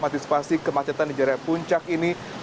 antisipasi kemacetan di jarak puncak ini